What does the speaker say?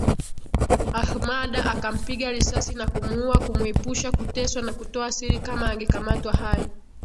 Ahmada akampiga risasi na kumuua kumuepusha kuteswa na kutoa siri kama angekamatwa hai